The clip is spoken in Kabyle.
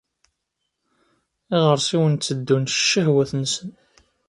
Iɣersiwen tteddun s ccehwat-nsen.